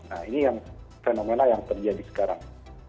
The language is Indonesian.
nah ini yang fenomena yang terjadi sekarang